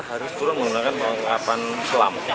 harus turun menggunakan pengangkatan selam